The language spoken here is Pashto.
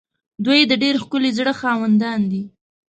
دوی د ډېر ښکلي زړه خاوندان دي.